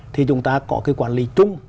thì chúng ta có cái quản lý chung